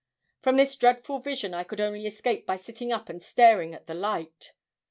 From this dreadful vision I could only escape by sitting up and staring at the light.